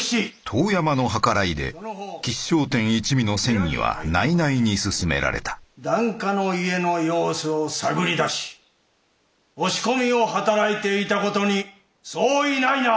遠山の計らいで吉祥天一味の詮議は内々に進められた檀家の家の様子を探り出し押し込みを働いていた事に相違ないな？